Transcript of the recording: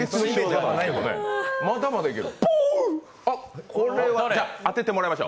まだまだいける。